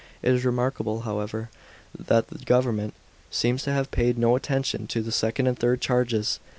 It is remarkable, however, that the government seems to have paid no attention to the second and third charges.